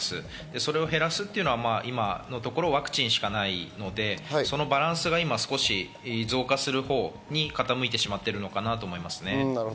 それを減らすというのは今のところワクチンしかないので、そのバランスが今、少し増加するほうに傾いてしまっているのかな